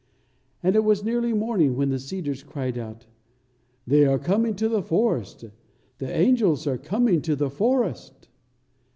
And it was nearly morning when the cedars cried out, "They are coming to the forest! the angels are coming to the forest!"